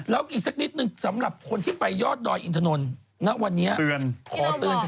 แล้วอีกสักนิดนึงสำหรับที่ไปยอดีอินทนนทร์นะวันนี้ขอเตือนว่ามันเฉิน